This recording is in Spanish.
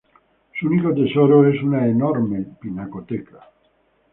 Su único tesoro es una enorme pinacoteca.